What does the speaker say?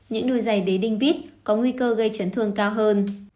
những đôi giày đế đinh vít có nguy cơ gây chấn thương cao hơn